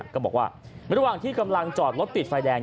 ก็บอกว่าระหว่างที่กำลังจอดรถติดไฟแดง